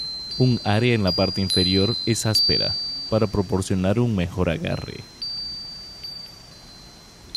Un área en la parte inferior es áspera para proporcionar un mejor agarre.